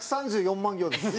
１３４万行です。